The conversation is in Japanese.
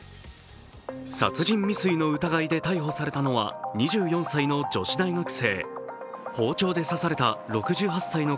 殺人未遂の疑いで逮捕されたのは２４歳の女子大学生。